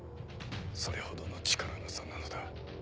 それほどの力の差なのだ。